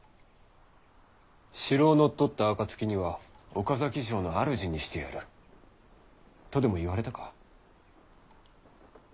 城を乗っ取った暁には岡崎城の主にしてやるとでも言われたか？